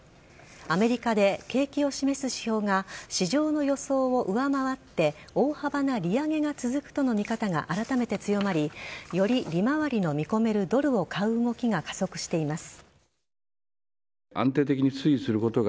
アメリカで景気を示す指標が市場の予想を上回って大幅な利上げが続くとの見方が改めて強まりより利回りの見込めるドルを買う動きが加速しています。